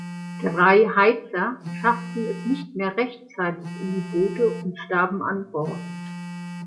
Drei Heizer schafften es nicht mehr rechtzeitig in die Boote und starben an Bord.